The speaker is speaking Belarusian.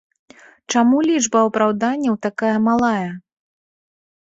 Чаму лічба апраўданняў такая малая?